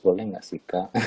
boleh gak sih kak